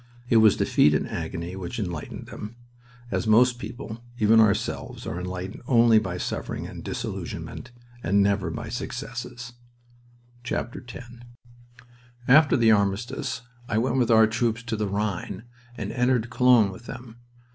It was defeat and agony which enlightened them, as most people even ourselves are enlightened only by suffering and disillusionment, and never by successes. X After the armistice I went with our troops to the Rhine, and entered Cologne with them.